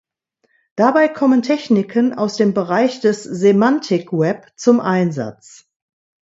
Dabei kommen Techniken aus dem Bereich des Semantic Web zum Einsatz.